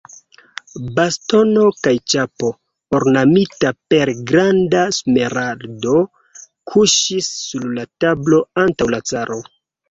Bastono kaj ĉapo, ornamita per granda smeraldo, kuŝis sur la tablo antaŭ la caro.